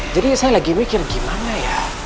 jadi saya lagi mikir gimana ya